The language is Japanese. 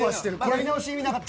やり直し意味なかった。